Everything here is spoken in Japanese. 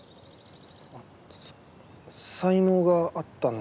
あっさ才能があったんですか？